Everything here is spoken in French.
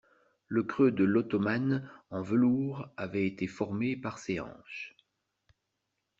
Le creux de l'ottomane en velours avait été formé par ses hanches.